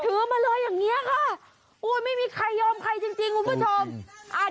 ถือมาเลยอย่างนี้ค่ะโอ้ยไม่มีใครยอมใครจริงคุณผู้ชม